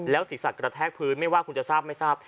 ศีรษะกระแทกพื้นไม่ว่าคุณจะทราบไม่ทราบ